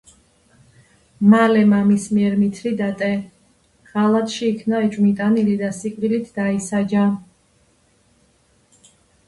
მალე მამის მიერ მითრიდატე ღალატში იქნა ეჭვმიტანილი და სიკვდილით დაისაჯა.